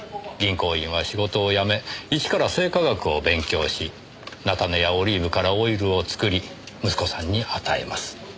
銀行員は仕事を辞め一から生化学を勉強し菜種やオリーブからオイルを作り息子さんに与えます。